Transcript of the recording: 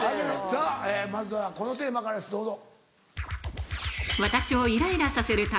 さぁまずはこのテーマからですどうぞ。